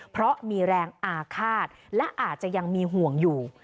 เพราะมีแรงอาฆาตและอาจจะยังมีห่วงอยู่